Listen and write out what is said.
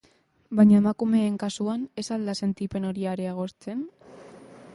Baina emakumeen kasuan, ez al da sentipen hori areagotzen?